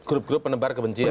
grup grup penebar kebencian